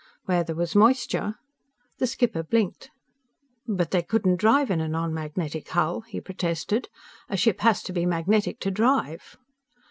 Where there was moisture " The skipper blinked. "But they couldn't drive in a non magnetic hull!" he protested. "_A ship has to be magnetic to drive!